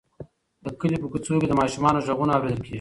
د کلي په کوڅو کې د ماشومانو غږونه اورېدل کېږي.